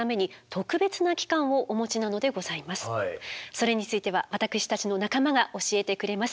それについては私たちの仲間が教えてくれます。